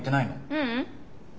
ううん。